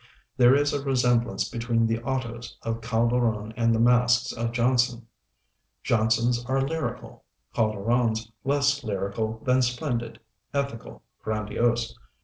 There is a resemblance between the autos of Calderon and the masques of Jonson. Jonson's are lyrical; Calderon's less lyrical than splendid, ethical, grandiose.